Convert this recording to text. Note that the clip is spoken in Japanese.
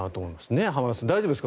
浜田さん、大丈夫ですか？